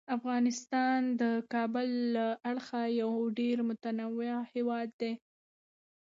افغانستان د کابل له اړخه یو ډیر متنوع هیواد دی.